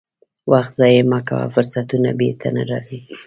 وخت ضایع مه کوه، فرصتونه بیرته نه راځي.